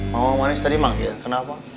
mama manis tadi emang ya kenapa